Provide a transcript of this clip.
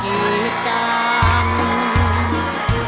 เพราะตัวฉันมันพิการอย่างนี้